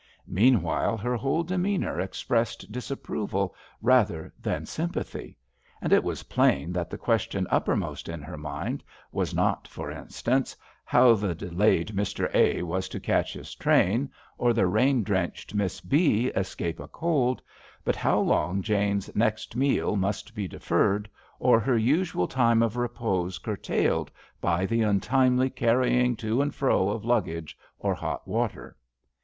Meanwhile her whole de meanour expressed disapproval rather than sympathy ; and it was plain that the question uppermost in her mind was not, for instance, how the delayed Mr. A. was to catch his train, or the rain drenched Miss B. escape a cold, but how long Jane's next meal must be deferred, or her usual time of repose curtailed by the untimely carrying to and fro of luggage or hot water.